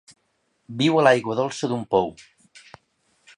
Viu a l'aigua dolça d'un pou.